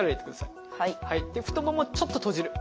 太ももちょっと閉じる。